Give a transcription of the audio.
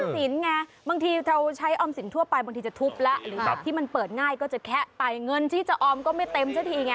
สินไงบางทีเราใช้ออมสินทั่วไปบางทีจะทุบแล้วหรือแบบที่มันเปิดง่ายก็จะแคะไปเงินที่จะออมก็ไม่เต็มซะทีไง